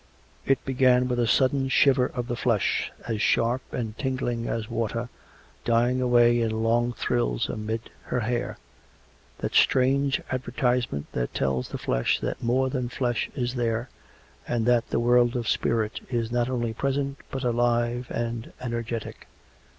It began with a sudden shiver of the flesh, as sharp and tingling as water, dying away in long thrills amid her hair — that strange advertisement that tells the flesh that more than flesh is there, and that the world of spirit is not «nly present, but alive and energetic.